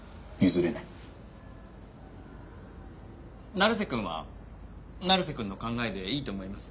成瀬くんは成瀬くんの考えでいいと思います。